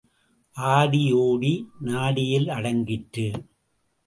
ஆடி ஓடி நாடியில் அடங்கிற்று.